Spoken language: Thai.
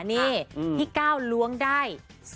นี่พี่ก้าวล้วงได้